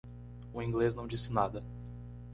O inglês não disse nada.